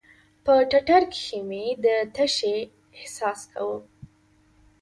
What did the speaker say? په ټټر کښې مې د تشې احساس کاوه.